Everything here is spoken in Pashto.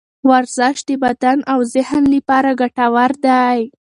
ورزش د بدن او ذهن لپاره ګټور دی.